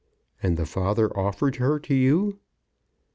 "And the father offered her to you?"